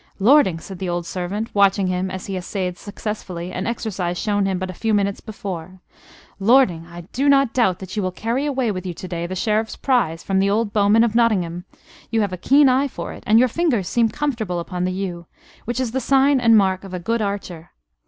"Lording," said the old servant, watching him as he essayed successfully an exercise shown him but a few minutes before. "Lording, I do not doubt that you will carry away with you to day the Sheriff's prize from the older bowmen of Nottingham! You have a keen eye for it, and your fingers seem comfortable upon the yew which is the sign and mark of a good archer.